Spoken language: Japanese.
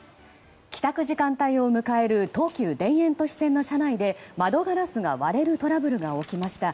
帰宅時間帯を迎える東急田園都市線の車内で窓ガラスが割れるトラブルが起きました。